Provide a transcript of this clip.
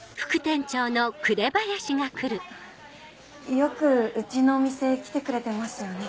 よくうちのお店来てくれてますよね。